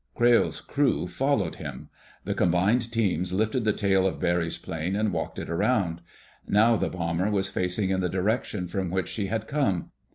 Crayle's crew followed him. The combined teams lifted the tail of Barry's plane and walked it around. Now the bomber was facing in the direction from which she had come.